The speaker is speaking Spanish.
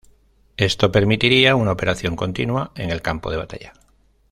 Esto permitiría una operación continua en el campo de batalla.